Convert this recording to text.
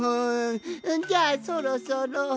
じゃあそろそろ。